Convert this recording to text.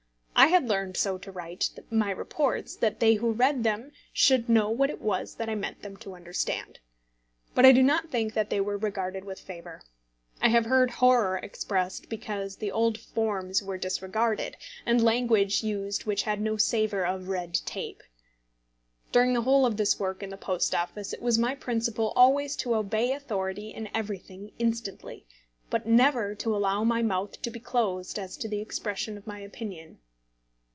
I had learned so to write my reports that they who read them should know what it was that I meant them to understand. But I do not think that they were regarded with favour. I have heard horror expressed because the old forms were disregarded and language used which had no savour of red tape. During the whole of this work in the Post Office it was my principle always to obey authority in everything instantly, but never to allow my mouth to be closed as to the expression of my opinion.